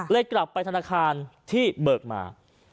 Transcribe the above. กลับไปธนาคารที่เบิกมา